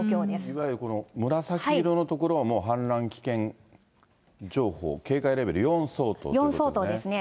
いわゆるこの紫色の所は、もう氾濫危険情報、警戒レベル４相当ということですね。